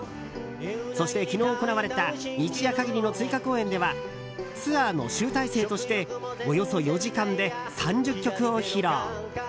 そして昨日行われた一夜限りの追加公演ではツアーの集大成としておよそ４時間で３０曲を披露。